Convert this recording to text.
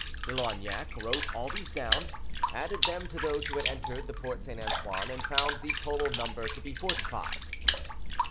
De Loignac wrote all these down, added them to those who had entered the Porte St. Antoine, and found the total number to be forty five.